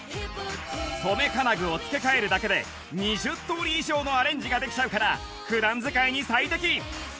留め金具を付け替えるだけで２０通り以上のアレンジができちゃうから普段使いに最適